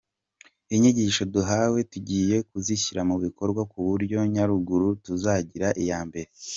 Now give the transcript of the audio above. Inyigisho duhawe tugiye kuzishyira mu bikorwa ku buryo Nyaruguru tuzayigira iya mbere.